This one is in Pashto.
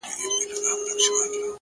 هره ناکامي د اصلاح پیغام لري,